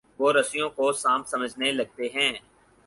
وہ رسیوں کو سانپ سمجھنے لگتے ہیں۔